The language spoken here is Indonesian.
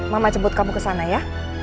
mama jemput kamu ke sana ya